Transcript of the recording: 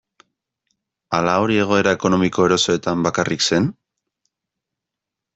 Ala hori egoera ekonomiko erosoetan bakarrik zen?